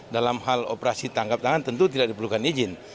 dalam hal operasi tangkap tangan tentu tidak diperlukan izin